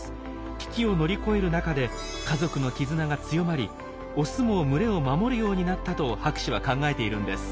危機を乗り越える中で家族の絆が強まりオスも群れを守るようになったと博士は考えているんです。